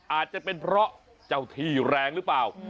อาจจะเป็นเพราะเจ้าที่แรงหรือเปล่า